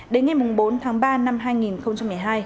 đến ngày bốn tháng ba năm hai nghìn một mươi hai